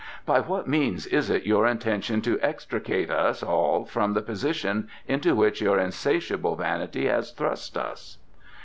By what means is it your intention to extricate us all from the position into which your insatiable vanity has thrust us?"